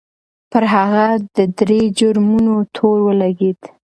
پر هغه د درې جرمونو تور ولګېد.